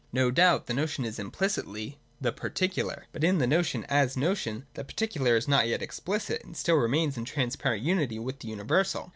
No doubt the notion is implicitly the particular. But in the notion as notion the particular is not yet explicit, and still remains in transparent unity with the universal.